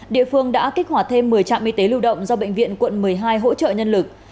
địa phương đã kích hoạt thêm một mươi trạm y tế lưu động do bệnh viện quận một mươi hai hỗ trợ nhân lực